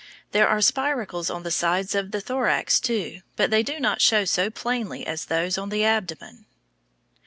There are spiracles on the sides of the thorax, too, but they do not show so plainly as those on the abdomen.